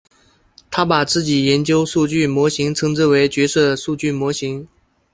他把自己研究数据模型称之为角色数据模型。